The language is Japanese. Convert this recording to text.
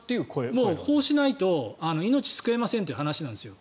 もう、こうしないと命が救えませんという話なんですよ。